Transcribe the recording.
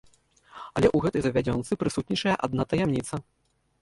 Але ў гэтай завядзёнцы прысутнічае адна таямніца.